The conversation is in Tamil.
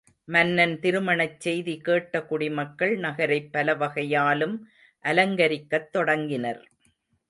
மன்னன் திருமணச் செய்தி கேட்ட குடிமக்கள் நகரைப் பலவகையாலும் அலங்கரிக்கத் தொடங்கினர்.